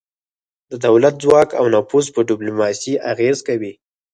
د دولت ځواک او نفوذ په ډیپلوماسي اغیزه کوي